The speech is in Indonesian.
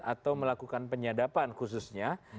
atau melakukan penyadapan khususnya